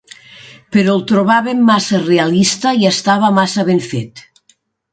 Però el trobàvem massa realista i estava massa ben fet.